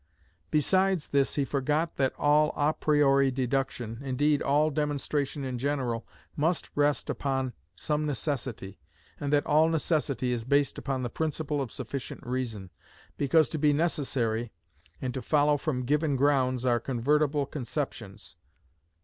Besides this he forgot that all a priori deduction, indeed all demonstration in general, must rest upon some necessity, and that all necessity is based on the principle of sufficient reason, because to be necessary, and to follow from given grounds are convertible conceptions.